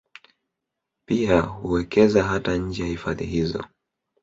Pia huwekeza hata nje ya hifadhi hizo